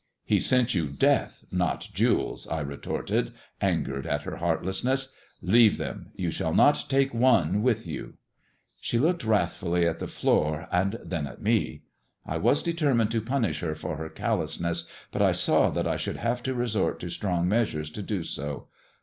He sent you death, not jewels," I retorted, angered at her heartlessness. " Leave them : you shall not take one with you." She looked wrathfuUy at the floor and then at me. I was determined to punish her for her callousness, but I saw that I should have to resort to strong measures to do so.